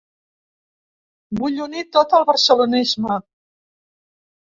Vull unir tot el barcelonisme.